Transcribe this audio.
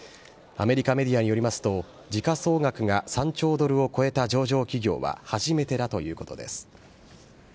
アメリカメディアによりますと、時価総額が３兆ドルを超えた上場企業は初めてだということです。